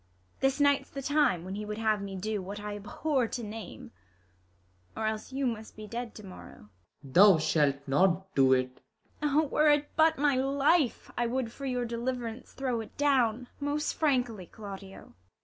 This night's the time, Avhen he would have me do What I abhor to name, or else you must Be dead to morrow. Claud. Thou shalt not do't ! IsAB. 0, were it but my life, I would for your deliverance throw it down, Most frankly, Claudio.